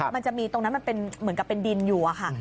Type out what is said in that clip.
มันจะมีตรงนั้นมันเหมือนกับเป็นดินอยู่